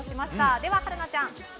では、春奈ちゃん。